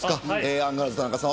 アンガールズ田中さん